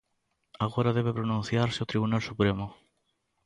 Agora debe pronunciarse o Tribunal Supremo.